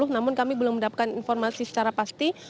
namun kami belum mendapatkan informasi secara pasti